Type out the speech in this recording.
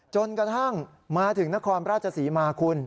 จนกระทั่งมาถึงนครราชศรีมาคุณ